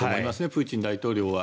プーチン大統領は。